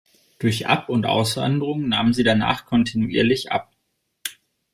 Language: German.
Durch Ab- und Auswanderung nahm sie danach kontinuierlich ab.